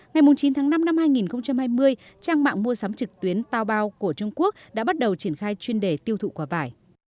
ngày chín tháng năm năm hai nghìn hai mươi trang mạng mua sắm trực tuyến taobao của trung quốc đã bắt đầu triển khai chuyên đề tiêu thụ quả vải